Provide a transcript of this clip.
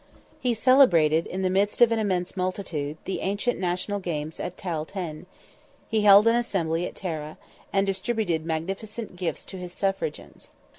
He celebrated, in the midst of an immense multitude, the ancient national games at Tailtin, he held an assembly at Tara, and distributed magnificent gifts to his suffragans.